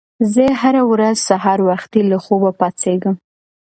زه هره ورځ سهار وختي له خوبه پاڅېږم.